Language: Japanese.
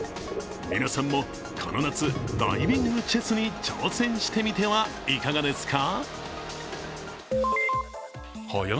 皆さんもこの夏、ダイビングチェスに挑戦してみてはいかがですか？